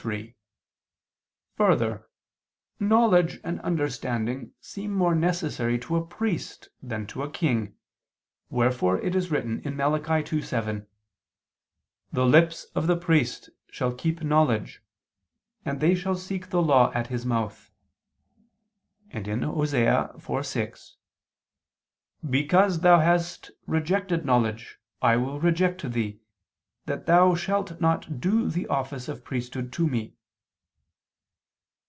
3: Further, knowledge and understanding seem more necessary to a priest than to a king, wherefore it is written (Malachi 2:7): "The lips of the priest shall keep knowledge, and they shall seek the law at his mouth," and (Osee 4:6): "Because thou hast rejected knowledge, I will reject thee, that thou shalt not do the office of priesthood to Me."